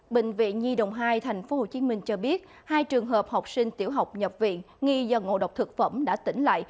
bệnh viện nhi đồng hai tp hcm cho biết hai trường hợp học sinh tiểu học nhập viện nghi do ngộ độc thực phẩm đã tỉnh lại